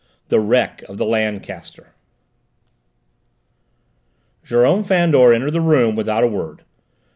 THE WRECK OF THE "LANCASTER" Jérôme Fandor entered the room without a word.